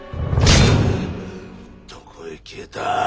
どこへ消えた。